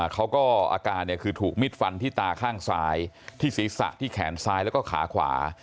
อาการคือถูกมิดฟันที่ตาข้างซ้ายที่ศีรษะที่แขนซ้ายแล้วก็ขาขวา